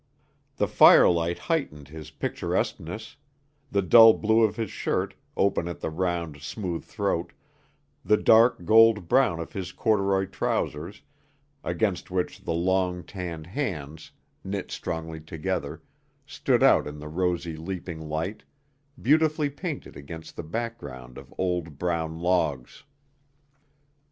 The firelight heightened his picturesqueness the dull blue of his shirt, open at the round, smooth throat, the dark gold brown of his corduroy trousers, against which the long, tanned hands, knit strongly together, stood out in the rosy, leaping light beautifully painted against the background of old brown logs.